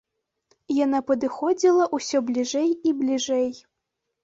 Яна падыходзіла ўсё бліжэй і бліжэй.